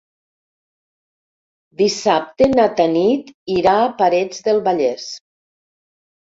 Dissabte na Tanit irà a Parets del Vallès.